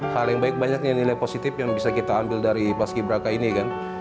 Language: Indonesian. hal yang baik banyaknya nilai positif yang bisa kita ambil dari paski braka ini kan